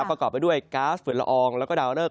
ประกอบไปด้วยก๊าซฝุ่นละอองแล้วก็ดาวเริก